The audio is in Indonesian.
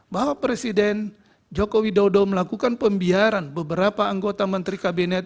bahwa presiden joko widodo melakukan pembiaran beberapa anggota menteri kabinet